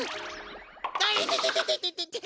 あっいててててててて。